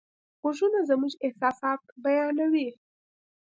غږونه زموږ احساسات بیانوي.